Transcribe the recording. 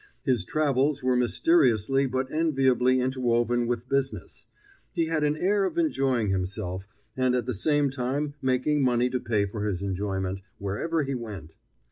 His travels were mysteriously but enviably interwoven with business; he had an air of enjoying himself, and at the same time making money to pay for his enjoyment, wherever he went.